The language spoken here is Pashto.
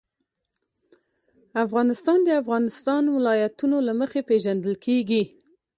افغانستان د د افغانستان ولايتونه له مخې پېژندل کېږي.